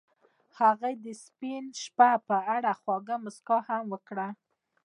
هغې د سپین شپه په اړه خوږه موسکا هم وکړه.